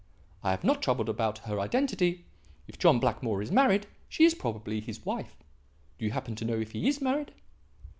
I have not troubled about her identity. If John Blackmore is married, she is probably his wife. Do you happen to know if he is married?"